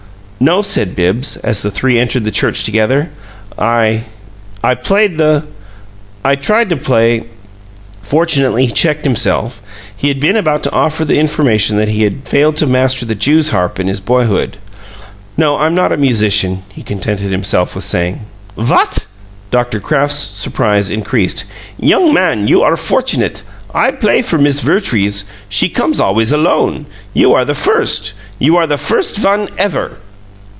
"No," said Bibbs, as the three entered the church together. "I I played the I tried to play " Fortunately he checked himself; he had been about to offer the information that he had failed to master the jews' harp in his boyhood. "No, I'm not a musician," he contented himself with saying. "What?" Dr. Kraft's surprise increased. "Young man, you are fortunate! I play for Miss Vertrees; she comes always alone. You are the first. You are the first one EVER!"